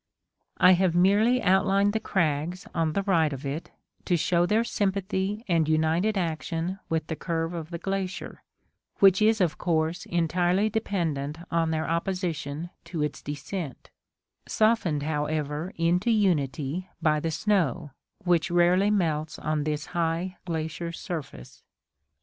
I have merely outlined the crags on the right of it, to show their sympathy and united action with the curve of the glacier, which is of course entirely dependent on their opposition to its descent; softened, however, into unity by the snow, which rarely melts on this high glacier surface.